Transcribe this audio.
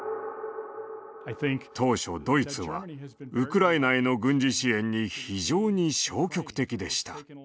当初ドイツはウクライナへの軍事支援に非常に消極的でした。